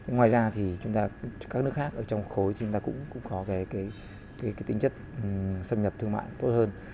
ngoài ra các nước khác trong khối cũng có